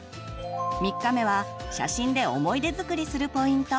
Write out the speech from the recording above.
３日目は写真で思い出づくりするポイント。